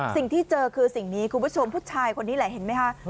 สิ่งที่เจอคือสิ่งนี้คุณผู้ชมผู้ชายคนนี้แหละเห็นไหมคะ